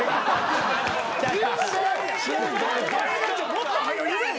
もっと早う言えや。